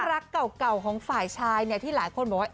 รักเก่าของฝ่ายชายเนี่ยที่หลายคนบอกว่า